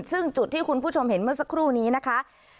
ซึ่งจุดที่คุณผู้ชมเห็นเมื่อสักครู่นี้นะคะ